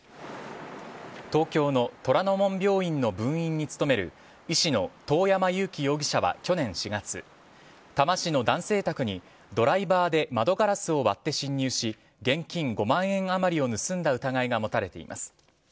東京の虎の門病院の分院に務める医師の遠山友希容疑者は去年４月多摩市の男性宅にドライバーで窓ガラスを割って侵入し現金５万円あまりを盗んだ疑いが持たれています。